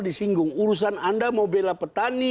disinggung urusan anda mau bela petani